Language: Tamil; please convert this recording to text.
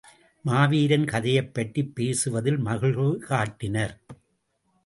மாவீரன் கதையைப் பற்றிப் பேசுவதில் மகிழ்வு காட்டினர்.